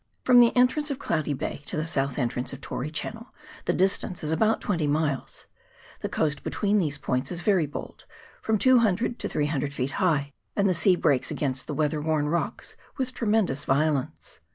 From the entrance of Cloudy Bay to the south entrance of Tory Channel the distance is about twenty miles. The coast between these points is very bold, from 200 to 300 feet high, and the sea breaks against the weather worn rocks with tremendous violence.